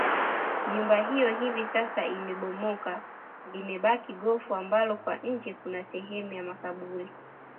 Nyumba hiyo hivi sasa imebomoka limebaki gofu ambalo kwa nje kuna sehemu ya makaburi